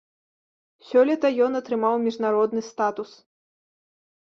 Сёлета ён атрымаў міжнародны статус.